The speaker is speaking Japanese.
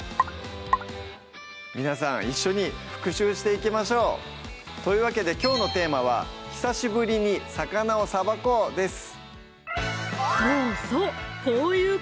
皆さん一緒に復習していきましょうというわけできょうのテーマは「久しぶりに魚をさばこう」です